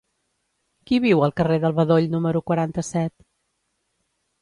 Qui viu al carrer del Bedoll número quaranta-set?